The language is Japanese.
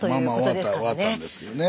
終わったんですけどね。